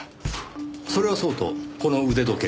それはそうとこの腕時計。